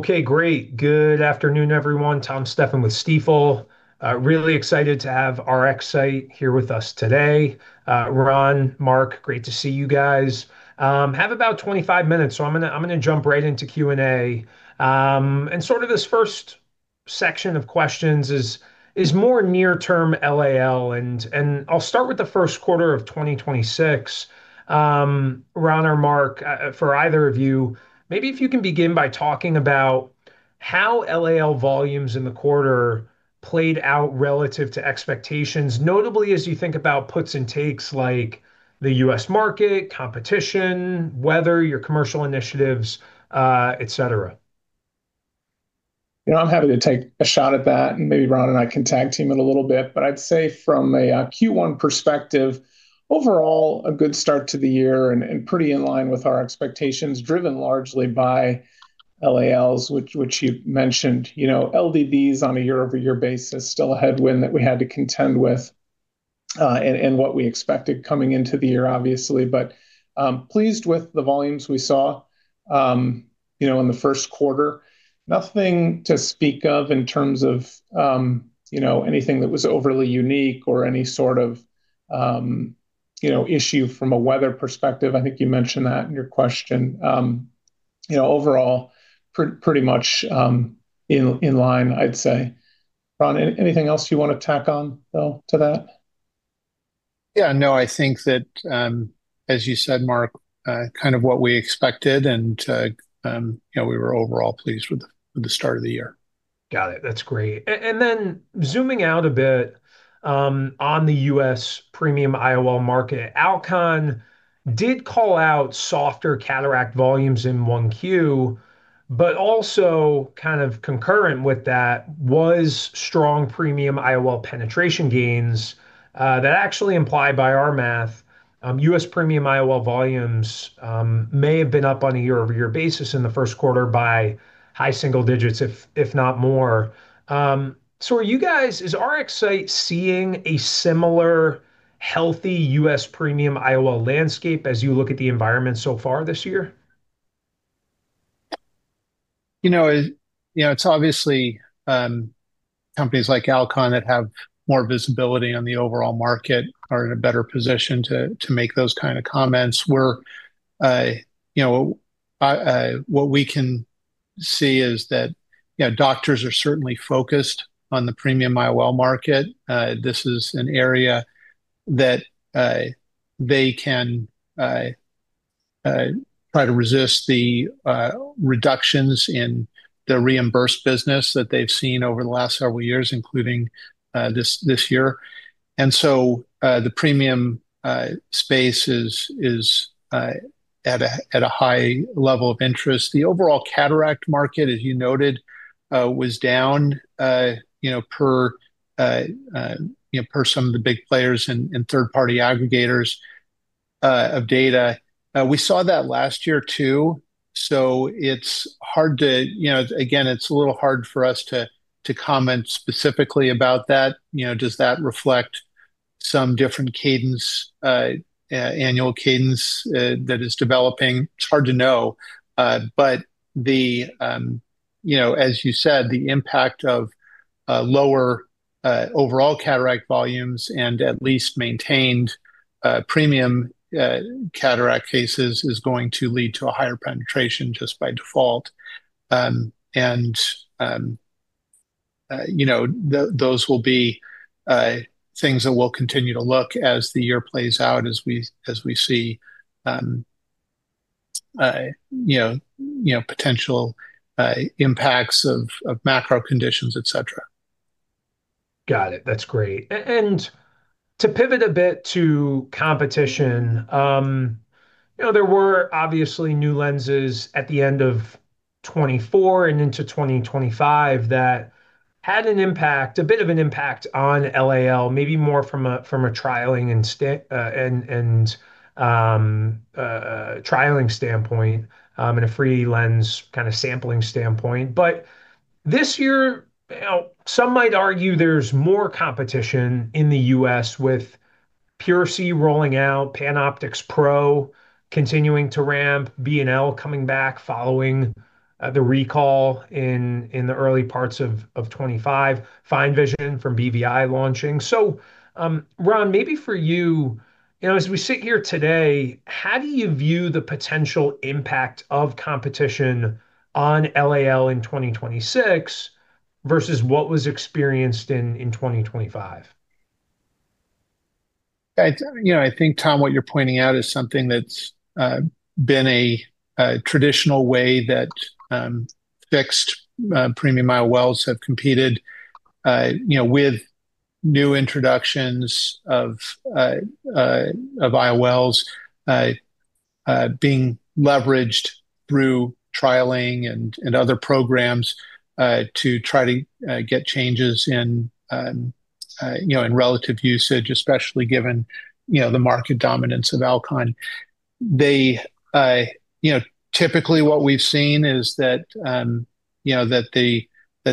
Okay, great. Good afternoon, everyone. Tom Stephan with Stifel. Really excited to have RxSight here with us today. Ron, Mark, great to see you guys. Have about 25 minutes, so I'm going to jump right into Q&A. Sort of this first section of questions is more near-term LAL, and I'll start with the first quarter of 2026. Ron or Mark, for either of you, maybe if you can begin by talking about how LAL volumes in the quarter played out relative to expectations, notably as you think about puts and takes like the U.S. market, competition, weather, your commercial initiatives, et cetera. I'm happy to take a shot at that, maybe Ron and I can tag team it a little bit. I'd say from a Q1 perspective, overall a good start to the year and pretty in line with our expectations, driven largely by LALs, which you mentioned. LDDs on a year-over-year basis still a headwind that we had to contend with, and what we expected coming into the year, obviously. Pleased with the volumes we saw in the first quarter. Nothing to speak of in terms of anything that was overly unique or any sort of issue from a weather perspective. I think you mentioned that in your question. Overall, pretty much in line, I'd say. Ron, anything else you want to tack on, though, to that? Yeah, no, I think that, as you said, Mark, kind of what we expected, and we were overall pleased with the start of the year. Got it. That's great. Zooming out a bit on the U.S. premium IOL market. Alcon did call out softer cataract volumes in 1Q, but also kind of concurrent with that was strong premium IOL penetration gains that actually imply by our math, U.S. premium IOL volumes may have been up on a year-over-year basis in the first quarter by high single digits, if not more. Are you guys, is RxSight seeing a similar healthy U.S. premium IOL landscape as you look at the environment so far this year? It's obviously companies like Alcon that have more visibility on the overall market are in a better position to make those kind of comments. What we can see is that doctors are certainly focused on the premium IOL market. This is an area that they can try to resist the reductions in the reimbursed business that they've seen over the last several years, including this year. The premium space is at a high level of interest. The overall cataract market, as you noted, was down per some of the big players and third-party aggregators of data. We saw that last year, too. Again, it's a little hard for us to comment specifically about that. Does that reflect some different annual cadence that is developing? It's hard to know. As you said, the impact of lower overall cataract volumes and at least maintained premium cataract cases is going to lead to a higher penetration just by default. Those will be things that we'll continue to look as the year plays out as we see potential impacts of macro conditions, et cetera. Got it. That's great. To pivot a bit to competition. There were obviously new lenses at the end of 2024 and into 2025 that had an impact, a bit of an impact on LAL, maybe more from a trialing standpoint, and a free lens kind of sampling standpoint. This year some might argue there's more competition in the U.S. with PureSee rolling out, PanOptix Pro continuing to ramp, B&L coming back following the recall in the early parts of 2025, FineVision from BVI launching. Ron, maybe for you, as we sit here today, how do you view the potential impact of competition on LAL in 2026 versus what was experienced in 2025? I think, Tom, what you're pointing out is something that's been a traditional way that fixed premium IOLs have competed, with new introductions of IOLs being leveraged through trialing and other programs to try to get changes in relative usage, especially given the market dominance of Alcon. Typically, what we've seen is that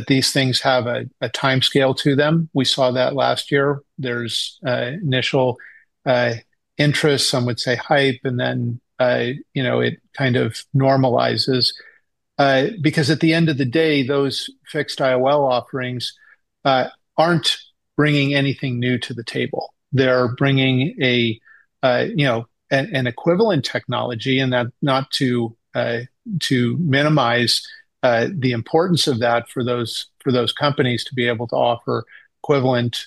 these things have a timescale to them. We saw that last year. There's initial interest, some would say hype, and then it kind of normalizes. At the end of the day, those fixed IOL offerings aren't bringing anything new to the table. They're bringing an equivalent technology, and not to minimize the importance of that for those companies to be able to offer equivalent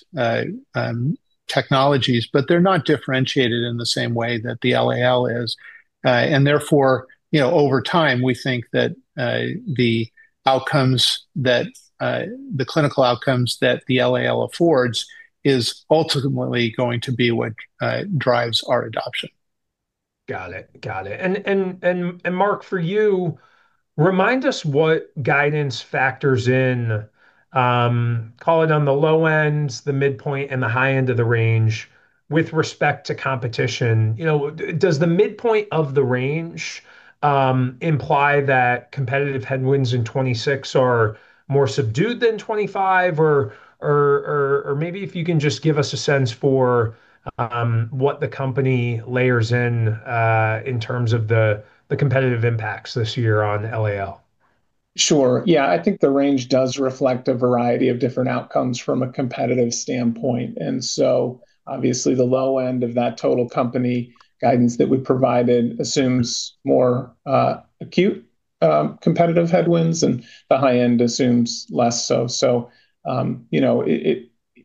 technologies, but they're not differentiated in the same way that the LAL is. Therefore, over time, we think that the clinical outcomes that the LAL affords is ultimately going to be what drives our adoption. Got it. Mark, for you, remind us what guidance factors in, call it on the low ends, the midpoint, and the high end of the range with respect to competition. Does the midpoint of the range imply that competitive headwinds in 2026 are more subdued than 2025? Maybe if you can just give us a sense for what the company layers in terms of the competitive impacts this year on LAL. Sure. Yeah, I think the range does reflect a variety of different outcomes from a competitive standpoint. Obviously, the low end of that total company guidance that we provided assumes more acute competitive headwinds and the high end assumes less so.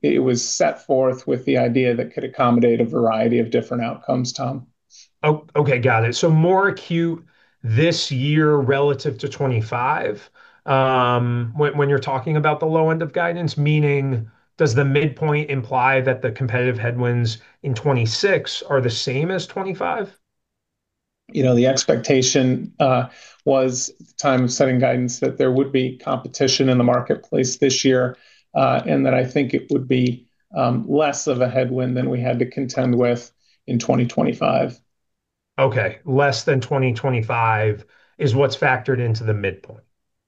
It was set forth with the idea that could accommodate a variety of different outcomes, Tom. Oh, okay. Got it. More acute this year relative to 2025 when you're talking about the low end of guidance, meaning does the midpoint imply that the competitive headwinds in 2026 are the same as 2025? The expectation was at the time of setting guidance that there would be competition in the marketplace this year, and that I think it would be less of a headwind than we had to contend with in 2025. Okay. Less than 2025 is what's factored into the midpoint.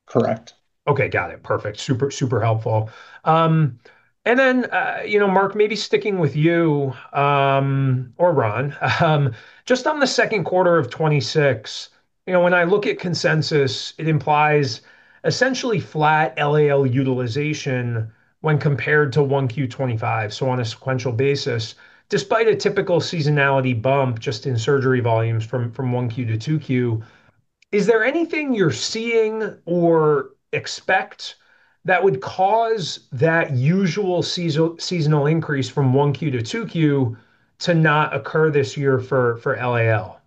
Correct. Okay. Got it. Perfect. Super helpful. Then, Mark, maybe sticking with you, or Ron, just on the second quarter of 2026, when I look at consensus, it implies essentially flat LAL utilization when compared to 1Q 2025, so on a sequential basis, despite a typical seasonality bump just in surgery volumes from 1Q to 2Q. Is there anything you're seeing or expect that would cause that usual seasonal increase from 1Q to 2Q to not occur this year for LAL?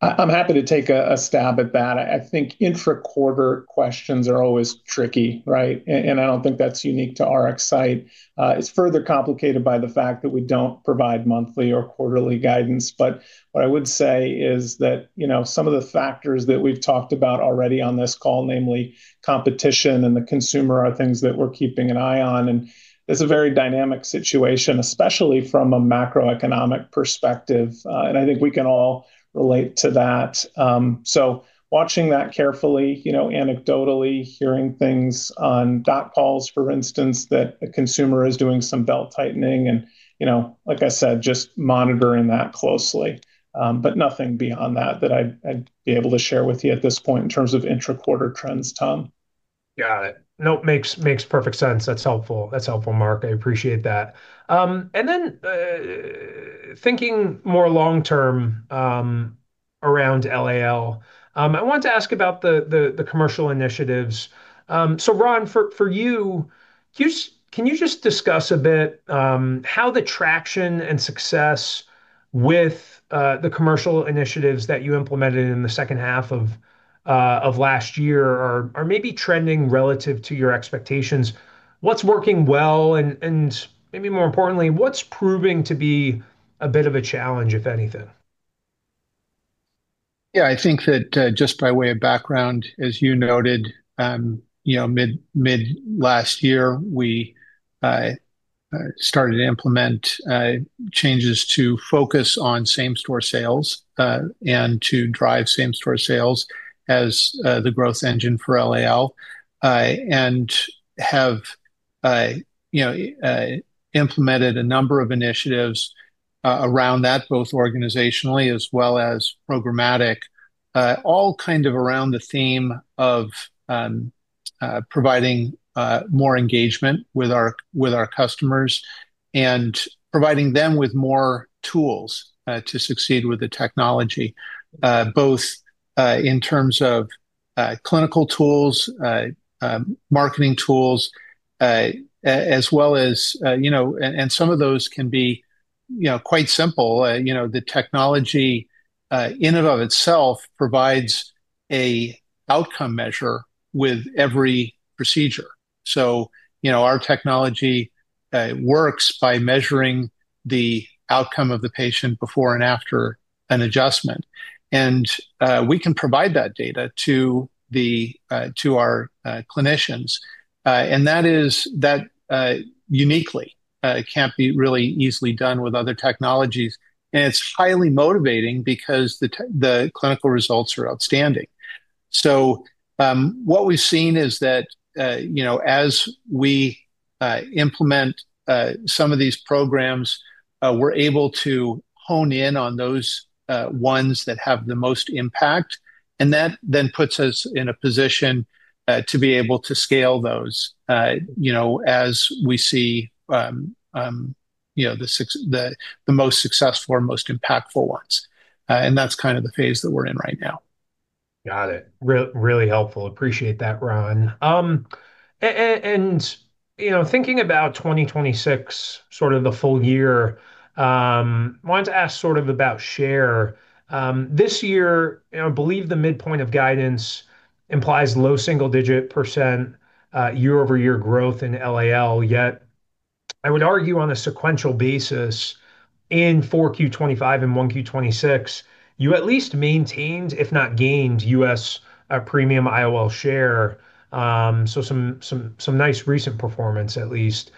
I'm happy to take a stab at that. I think intra-quarter questions are always tricky, right? I don't think that's unique to RxSight. It's further complicated by the fact that we don't provide monthly or quarterly guidance. What I would say is that some of the factors that we've talked about already on this call, namely competition and the consumer, are things that we're keeping an eye on, and it's a very dynamic situation, especially from a macroeconomic perspective. I think we can all relate to that. Watching that carefully, anecdotally hearing things on doc calls, for instance, that the consumer is doing some belt-tightening and like I said, just monitoring that closely. Nothing beyond that I'd be able to share with you at this point in terms of intra-quarter trends, Tom. Got it. No, makes perfect sense. That's helpful, Mark. I appreciate that. Then, thinking more long-term around LAL, I wanted to ask about the commercial initiatives. Ron, for you, can you just discuss a bit how the traction and success with the commercial initiatives that you implemented in the second half of last year are maybe trending relative to your expectations. What's working well, and maybe more importantly, what's proving to be a bit of a challenge, if anything? I think that just by way of background, as you noted, mid-last year, we started to implement changes to focus on same-store sales, and to drive same-store sales as the growth engine for LAL, and have implemented a number of initiatives around that, both organizationally as well as programmatic. All kind of around the theme of providing more engagement with our customers and providing them with more tools to succeed with the technology. Both in terms of clinical tools, marketing tools. Some of those can be quite simple. The technology in and of itself provides an outcome measure with every procedure. Our technology works by measuring the outcome of the patient before and after an adjustment. We can provide that data to our clinicians. That is uniquely. Can't be really easily done with other technologies. It's highly motivating because the clinical results are outstanding. What we've seen is that as we implement some of these programs, we're able to hone in on those ones that have the most impact, and that then puts us in a position to be able to scale those as we see the most successful or most impactful ones. That's the phase that we're in right now. Got it. Really helpful. Appreciate that, Ron. Thinking about 2026, sort of the full year, I wanted to ask sort of about share. This year, I believe the midpoint of guidance implies low single-digit percent year-over-year growth in LAL, yet I would argue on a sequential basis in 4Q 2025 and 1Q 2026, you at least maintained, if not gained U.S. premium IOL share. Some nice recent performance at least.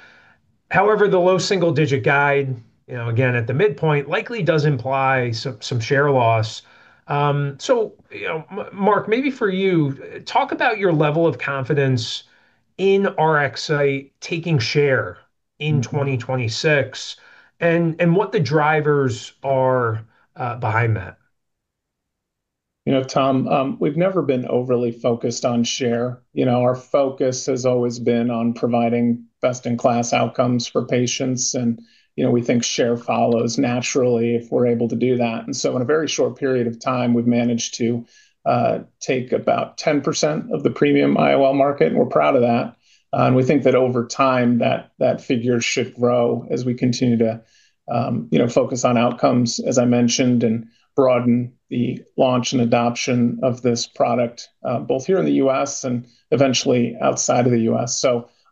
However, the low single-digit guide, again, at the midpoint likely does imply some share loss. Mark, maybe for you, talk about your level of confidence in RxSight taking share in 2026 and what the drivers are behind that. Tom, we've never been overly focused on share. Our focus has always been on providing best-in-class outcomes for patients, and we think share follows naturally if we're able to do that. In a very short period of time, we've managed to take about 10% of the premium IOL market, and we're proud of that. We think that over time, that figure should grow as we continue to focus on outcomes, as I mentioned, and broaden the launch and adoption of this product, both here in the U.S. and eventually outside of the U.S.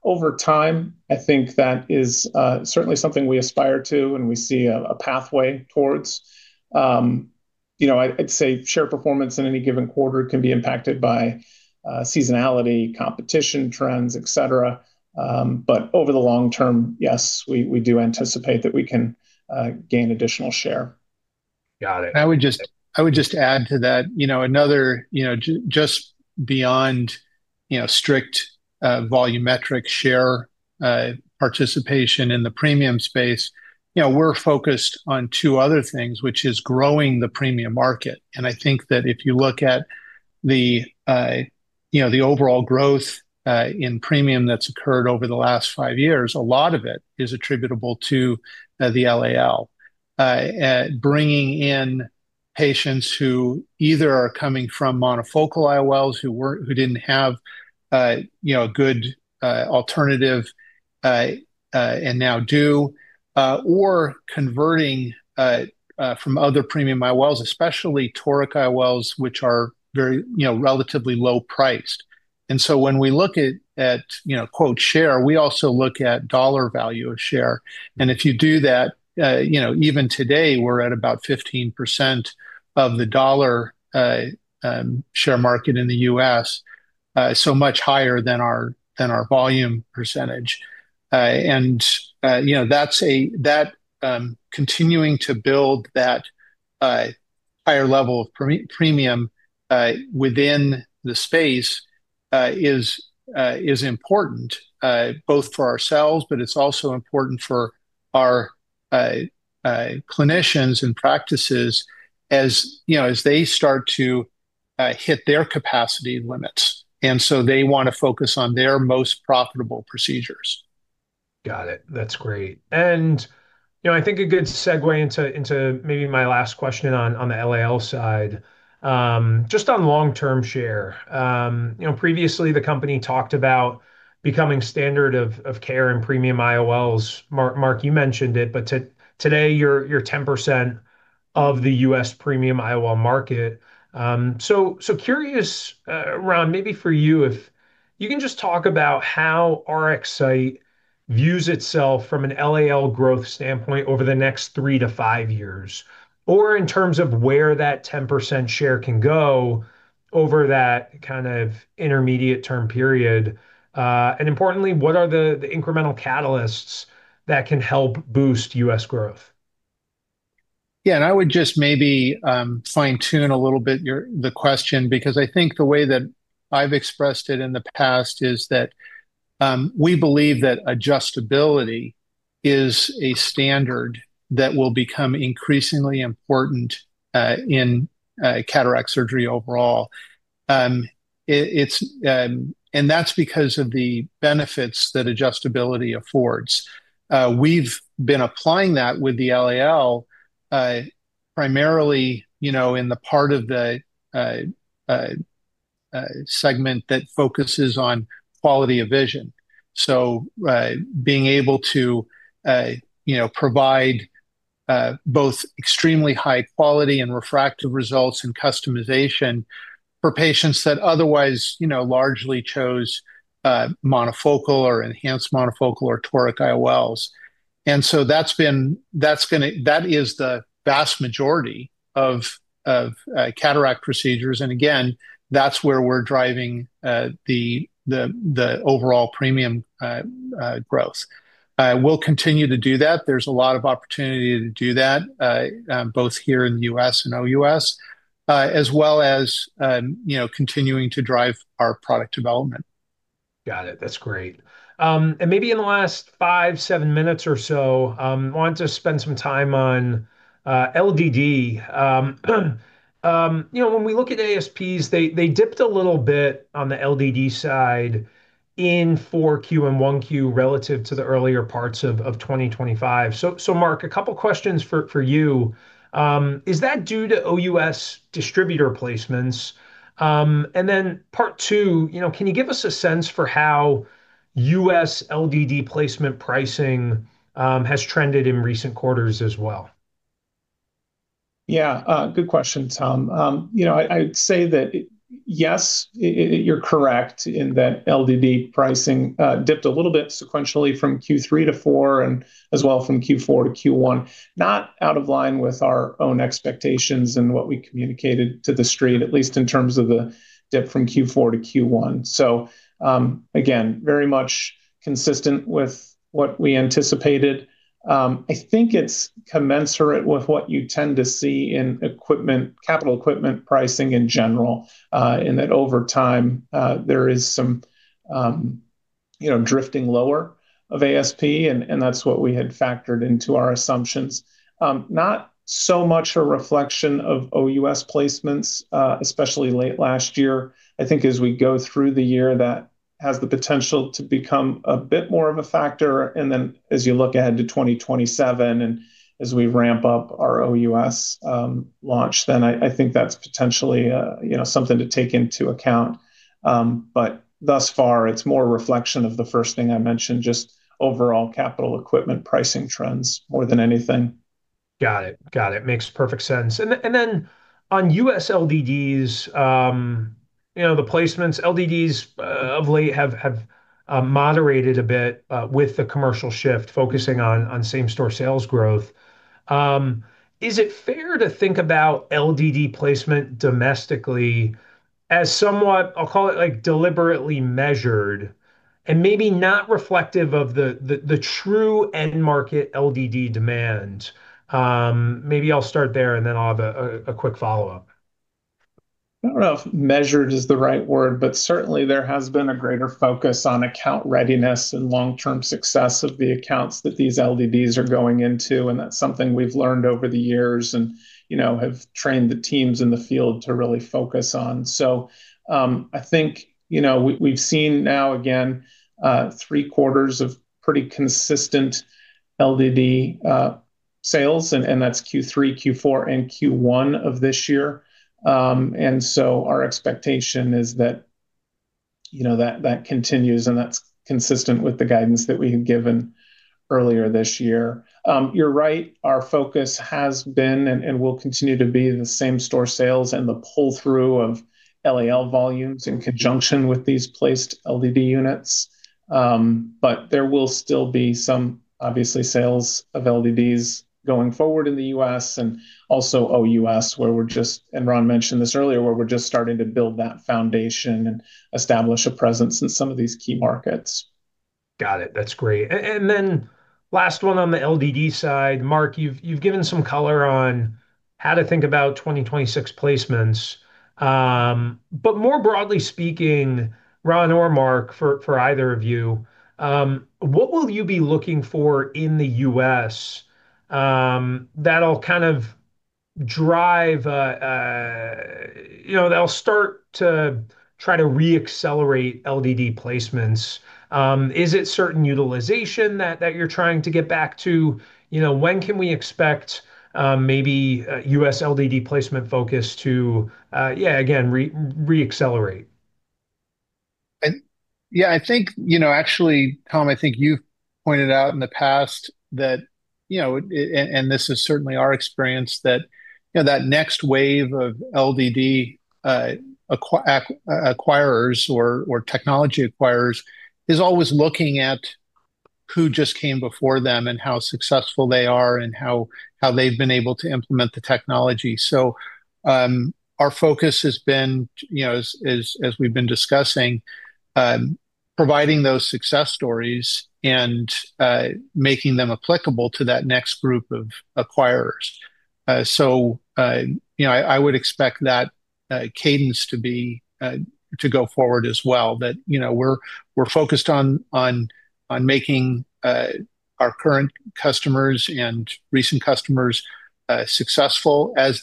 Over time, I think that is certainly something we aspire to and we see a pathway towards. I'd say share performance in any given quarter can be impacted by seasonality, competition trends, et cetera. Over the long-term, yes, we do anticipate that we can gain additional share. Got it. I would just add to that, just beyond strict volumetric share participation in the premium space, we're focused on two other things, which is growing the premium market. I think that if you look at the overall growth in premium that's occurred over the last five years, a lot of it is attributable to the LAL bringing in patients who either are coming from monofocal IOLs who didn't have a good alternative and now do, or converting from other premium IOLs, especially toric IOLs which are relatively low priced. When we look at "share," we also look at dollar value of share. If you do that, even today, we're at about 15% of the dollar share market in the U.S., so much higher than our volume percentage. Continuing to build that higher level of premium within the space is important both for ourselves, but it's also important for our clinicians and practices as they start to hit their capacity limits. They want to focus on their most profitable procedures. Got it. That's great. I think a good segue into maybe my last question on the LAL side, just on long-term share. Previously the company talked about becoming standard of care in premium IOLs. Mark, you mentioned it, but today you're 10% of the U.S. premium IOL market. Curious, Ron, maybe for you, if you can just talk about how RxSight views itself from an LAL growth standpoint over the next three to five years, or in terms of where that 10% share can go over that kind of intermediate term period. Importantly, what are the incremental catalysts that can help boost U.S. growth? I would just maybe fine-tune a little bit the question, because I think the way that I've expressed it in the past is that we believe that adjustability is a standard that will become increasingly important in cataract surgery overall. That's because of the benefits that adjustability affords. We've been applying that with the LAL primarily in the part of the segment that focuses on quality of vision. Being able to provide both extremely high quality and refractive results and customization for patients that otherwise largely chose monofocal or enhanced monofocal or toric IOLs. That is the vast majority of cataract procedures, and again, that's where we're driving the overall premium growth. We'll continue to do that. There's a lot of opportunity to do that both here in the U.S. and OUS, as well as continuing to drive our product development. Got it. That's great. Maybe in the last five, seven minutes or so, I wanted to spend some time on LDD. When we look at ASPs, they dipped a little bit on the LDD side in 4Q and 1Q relative to the earlier parts of 2025. Mark, a couple questions for you. Is that due to OUS distributor placements? Part two, can you give us a sense for how U.S. LDD placement pricing has trended in recent quarters as well? Yeah. Good question, Tom. I'd say that, yes, you're correct in that LDD pricing dipped a little bit sequentially from Q3 to Q4, and as well from Q4 to Q1. Not out of line with our own expectations and what we communicated to the street, at least in terms of the dip from Q4 to Q1. Again, very much consistent with what we anticipated. I think it's commensurate with what you tend to see in capital equipment pricing in general, in that over time there is some drifting lower of ASP, and that's what we had factored into our assumptions. Not so much a reflection of OUS placements, especially late last year. I think as we go through the year, that has the potential to become a bit more of a factor. As you look ahead to 2027 and as we ramp up our OUS launch, then I think that's potentially something to take into account. Thus far, it's more a reflection of the first thing I mentioned, just overall capital equipment pricing trends more than anything. Got it. Makes perfect sense. Then on U.S. LDDs, the placements, LDDs of late have moderated a bit with the commercial shift focusing on same-store sales growth. Is it fair to think about LDD placement domestically as somewhat, I'll call it like deliberately measured and maybe not reflective of the true end market LDD demand? Maybe I'll start there and then I'll have a quick follow-up. I don't know if measured is the right word, but certainly there has been a greater focus on account readiness and long-term success of the accounts that these LDDs are going into, and that's something we've learned over the years and have trained the teams in the field to really focus on. I think we've seen now again, three quarters of pretty consistent LDD sales, and that's Q3, Q4, and Q1 of this year. Our expectation is that continues, and that's consistent with the guidance that we had given earlier this year. You're right, our focus has been and will continue to be the same-store sales and the pull-through of LAL volumes in conjunction with these placed LDD units. There will still be some, obviously, sales of LDDs going forward in the U.S. and also OUS, and Ron mentioned this earlier, where we're just starting to build that foundation and establish a presence in some of these key markets. Got it. That's great. Last one on the LDD side. Mark, you've given some color on how to think about 2026 placements. More broadly speaking, Ron or Mark, for either of you, what will you be looking for in the U.S. that'll start to try to re-accelerate LDD placements? Is it certain utilization that you're trying to get back to? When can we expect maybe U.S. LDD placement focus to, again, re-accelerate? Yeah, I think, actually, Tom, I think you've pointed out in the past that, and this is certainly our experience, that next wave of LDD acquirers or technology acquirers is always looking at who just came before them and how successful they are and how they've been able to implement the technology. Our focus has been, as we've been discussing, providing those success stories and making them applicable to that next group of acquirers. I would expect that cadence to go forward as well. That we're focused on making our current customers and recent customers successful as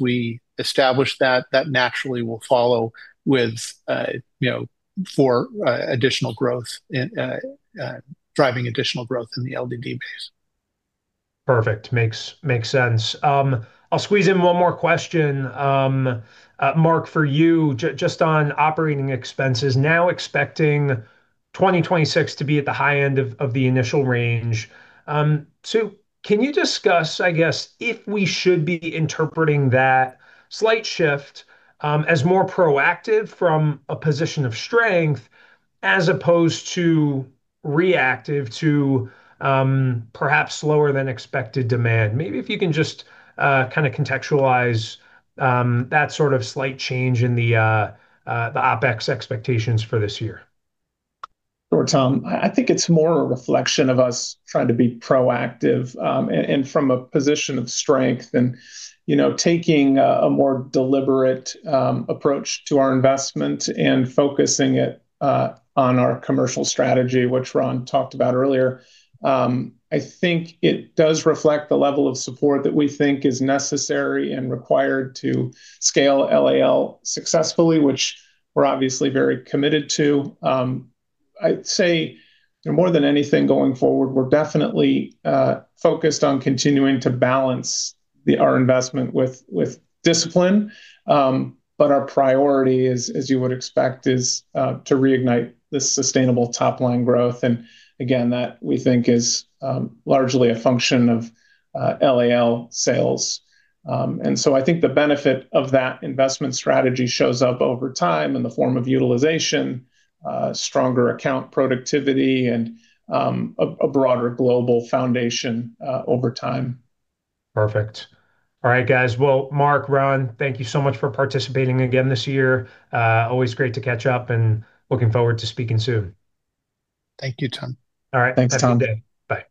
we establish that naturally will follow for additional growth and driving additional growth in the LDD base. Perfect. Makes sense. I'll squeeze in one more question. Mark, for you, just on operating expenses, now expecting 2026 to be at the high end of the initial range. Can you discuss, I guess, if we should be interpreting that slight shift as more proactive from a position of strength as opposed to reactive to perhaps lower than expected demand? Maybe if you can just kind of contextualize that sort of slight change in the OpEx expectations for this year. Sure Tom. I think it's more a reflection of us trying to be proactive and from a position of strength and taking a more deliberate approach to our investment and focusing it on our commercial strategy, which Ron talked about earlier. I think it does reflect the level of support that we think is necessary and required to scale LAL successfully, which we're obviously very committed to. I'd say more than anything going forward, we're definitely focused on continuing to balance our investment with discipline, but our priority, as you would expect, is to reignite the sustainable top-line growth. Again, that we think is largely a function of LAL sales. I think the benefit of that investment strategy shows up over time in the form of utilization, stronger account productivity, and a broader global foundation over time. Perfect. All right, guys. Well, Mark, Ron, thank you so much for participating again this year. Always great to catch up and looking forward to speaking soon. Thank you, Tom. All right. Thanks, Tom. Have a good day. Bye.